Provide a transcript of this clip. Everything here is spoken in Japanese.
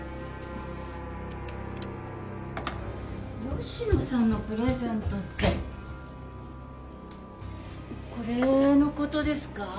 吉野さんのプレゼントってこれのことですか？